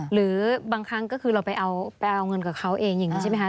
หรือบางครั้งก็คือเราไปเอาไปเอาเงินกับเขาเองอย่างนี้ใช่ไหมคะ